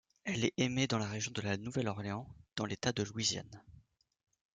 Elle est émet dans la région de La Nouvelle-Orléans, dans l'État de Louisiane.